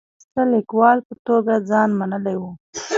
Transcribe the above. د یوه کیسه لیکوال په توګه ځان منلی و.